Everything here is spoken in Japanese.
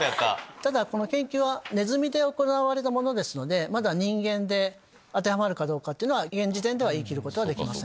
ただこの研究はネズミで行われたものですのでまだ人間で当てはまるかどうかは現時点では言い切れません。